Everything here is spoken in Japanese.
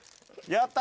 やった。